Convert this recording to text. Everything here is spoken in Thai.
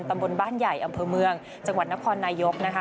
ตำบลบ้านใหญ่อำเภอเมืองจังหวัดนครนายกนะคะ